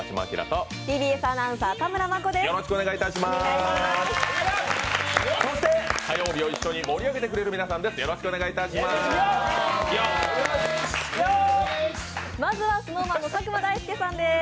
そして火曜日を一緒に盛り上げてくれる皆さんです。